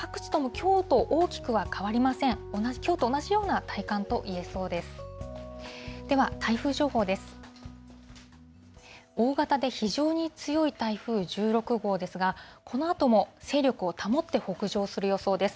きょうと同じような体感といえそうです。